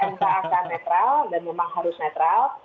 mk akan netral dan memang harus netral